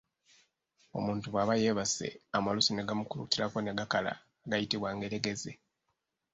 Omuntu bw’aba yeebase, amalusu ne gamukulukutirako ne gakala gayitibwa ngeregeze.